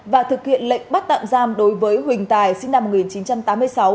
và thực hiện lệnh bắt tạm giam đối với huỳnh tài sinh năm một nghìn chín trăm tám mươi sáu